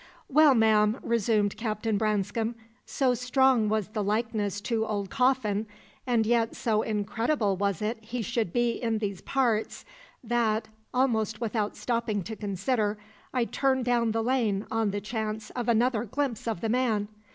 "Well, ma'am," resumed Captain Branscome, "so strong was the likeness to old Coffin, and yet so incredible was it he should be in these parts, that, almost without stopping to consider, I turned down the lane on the chance of another glimpse of the man.